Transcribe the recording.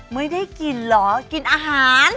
ไม่ได้กินเหรอกินอาหาร